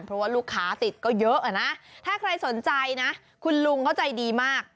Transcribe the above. เพราะว่าลูกค้าติดก็เยอะอะนะถ้าใครสนใจนะคุณลุงเขาใจดีมาก